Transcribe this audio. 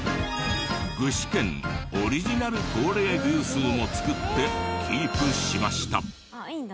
具志堅オリジナルコーレーグースも作ってキープしました。